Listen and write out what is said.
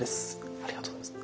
ありがとうございます。